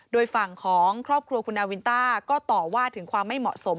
โดยฝั่งของครอบครัวคุณนาวินต้าก็ต่อว่าถึงความไม่เหมาะสม